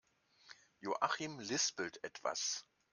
Joachim lispelt etwas.